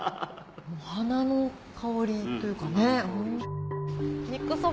お花の香りというかね。